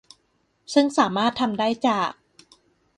ซึ่งสามารถทำได้จาก